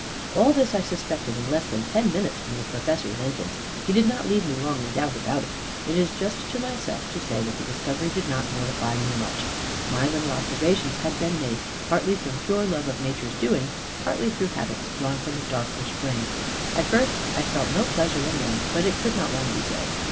All this I suspected in less than ten minutes from the Professor's entrance; he did not leave me long in doubt about it. It is just to myself to say that the discovery did not mortify me much. My little observations had been made, partly from pure love of nature's doings, partly through habits drawn from a darker spring. At first I had felt no pleasure in them, but it could not long be so.